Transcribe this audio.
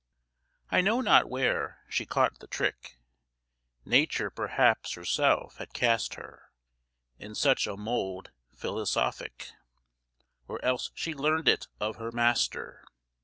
I know not where she caught the trick Nature perhaps herself had cast her In such a mould philosophique, Or else she learn'd it of her master.